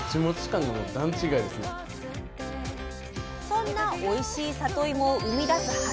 そんなおいしいさといもを生み出す畑。